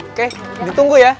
oke ditunggu ya